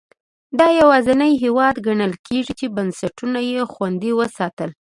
دا یوازینی هېواد ګڼل کېږي چې بنسټونه یې خوندي وساتل.